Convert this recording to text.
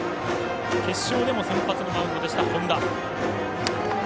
決勝でも先発のマウンド、本田。